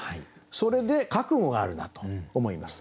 それで覚悟があるなと思います。